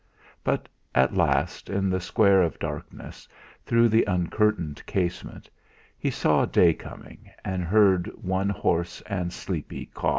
But at last, in the square of darkness through the uncurtained casement, he saw day coming, and heard one hoarse and sleepy caw.